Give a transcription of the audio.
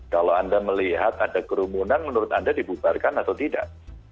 kalau anda melihat ada kerumunan menurut anda dibubarkan atau tidak